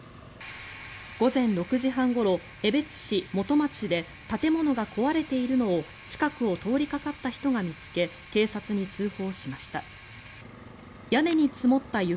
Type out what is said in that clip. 午前６時半ごろ、江別市元町で建物が壊れているのを近くを通りかかった人が見つけ警察に通報しました。